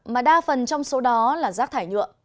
mà đa phần trong số đó là rác thải nhựa